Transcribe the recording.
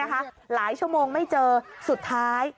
หลายชั่วโมงไม่เจอสุดท้าย